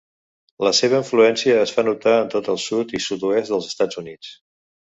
La seva influència es fa notar en tot el sud i sud-oest dels Estats Units.